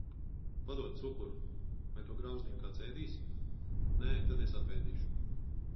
Padod cukuru! Vai to grauzdiņu kāds ēdīs? Nē, tad es apēdīšu.